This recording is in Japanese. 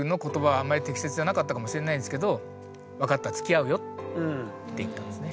あんまり適切じゃなかったかもしれないんですけど「分かったつきあうよ」って言ったんですね。